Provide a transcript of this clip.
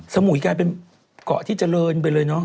สมุยกลายเป็นเกาะที่เจริญไปเลยเนอะ